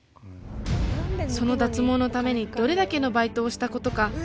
その脱毛のためにどれだけのバイトをしたことか。